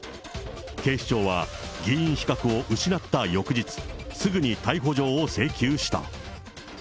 警視庁は、議員資格を失った翌日、すぐに逮捕状を請求した。